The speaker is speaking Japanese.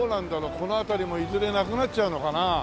この辺りもいずれなくなっちゃうのかな？